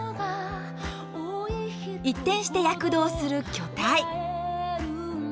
一転して躍動する巨体。